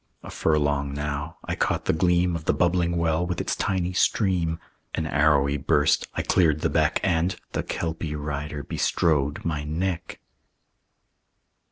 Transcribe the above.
A furlong now; I caught the gleam Of the bubbling well with its tiny stream; An arrowy burst; I cleared the beck; And the Kelpie rider bestrode my neck.